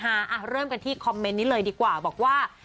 อ่ะเริ่มกันที่คอมเมนต์นี้เลยดีกว่าบอกว่า